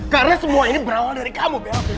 karena semua ini berawal dari kamu beofi